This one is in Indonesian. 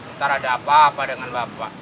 ntar ada apa apa dengan bapak